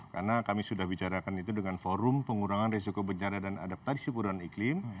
karena kami sudah bicarakan itu dengan forum pengurangan risiko bencana dan adaptasi keurangan iklim